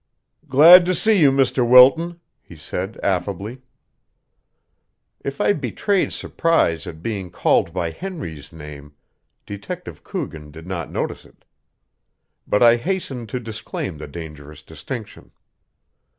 "Glad to see you, Mr. Wilton," he said affably. If I betrayed surprise at being called by Henry's name, Detective Coogan did not notice it. But I hastened to disclaim the dangerous distinction.